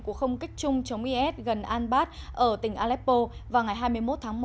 của không kích chung chống is gần an bạc ở tỉnh aleppo vào ngày hai mươi một tháng một